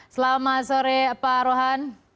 selamat sore pak rohan